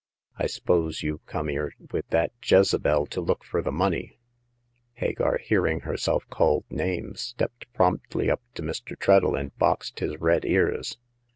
I s'pose you've come 'ere with that Jezebel to look fur the money ?" Hagar, hearing herself called names, stepped promptly up to Mr. Treadle, and boxed his red ears.